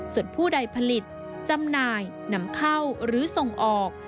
ส่วนผู้ใดผลิตจำหน่ายนำเข้าหรือส่งออก